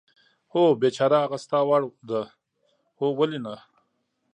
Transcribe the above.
هو، بېچاره، هغه ستا وړ ده؟ هو، ولې نه.